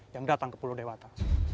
yang datang ke pulau dewata